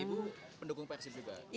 ibu pendukung persib juga